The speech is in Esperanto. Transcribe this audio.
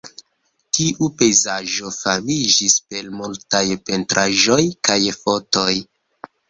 Tiu pejzaĝo famiĝis per multaj pentraĵoj kaj fotoj.